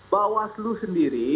bahwa seluruh sendiri